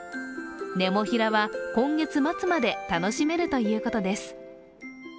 ネモフィラは今月末まで楽しめるということです。